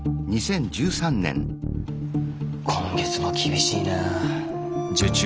今月も厳しいな。